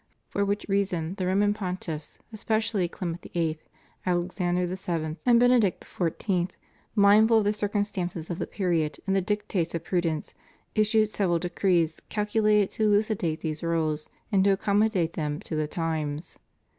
For which reason the Roman Pon tiffs, especially Clement VIII., Alexander VII., and Bene dict XIV., mindful of the circumstances of the period and the dictates of prudence, issued several decrees cal culated to elucidate these rules and to accommodate them to the times.